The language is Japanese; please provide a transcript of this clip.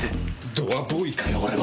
ドアボーイかよ俺は。